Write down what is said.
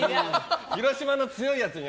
広島の強いやつに。